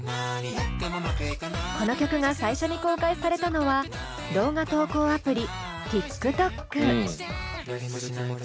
この曲が最初に公開されたのは動画投稿アプリＴｉｋＴｏｋ。